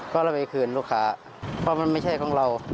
ก็เลยไปคืนลูกค้าเพราะมันไม่ใช่ของเรา